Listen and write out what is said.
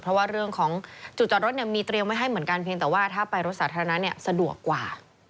เพราะว่าเรื่องของจุดจอดรถมีเตรียมไว้ให้เหมือนกันเพียงแต่ว่าถ้าไปรถสาธารณะสะดวกกว่า